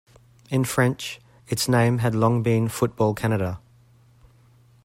In French, its name had long been Football Canada.